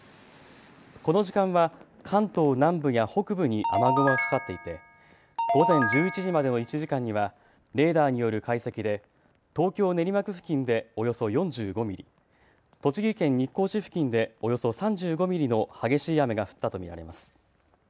この時間は関東南部や北部に雨雲がかかっていて午前１１時までの１時間にはレーダーによる解析で東京練馬区付近でおよそ４５ミリ、栃木県日光市付近でおよそ３５ミリの激しい雨が降ったと見られます。